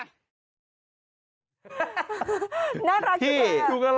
น่ารักมาก